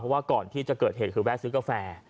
เพราะว่าก่อนที่จะเกิดเหตุคือแวะซื้อกาแฟ